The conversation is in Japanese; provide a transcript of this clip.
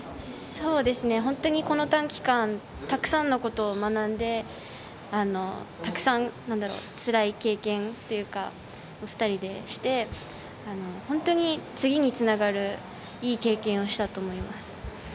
本当に、この短期間たくさんのことを学んでたくさんつらい経験というか２人でして、本当に次につながるいい経験をしたと思います。